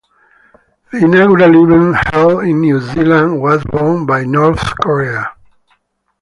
The inaugural event, held in New Zealand, was won by North Korea.